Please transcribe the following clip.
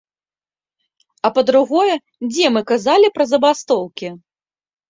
А па-другое, дзе мы казалі пра забастоўкі?